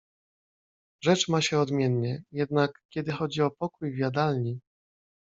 "Rzecz ma się odmiennie, jednak kiedy chodzi o pokój w jadalni."